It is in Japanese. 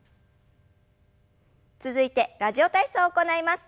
続いて「ラジオ体操」を行います。